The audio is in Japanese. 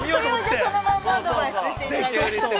◆それをそのままアドバイスしていただいて。